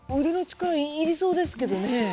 腕の力要りそうですけどね。